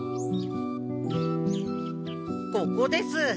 ここです！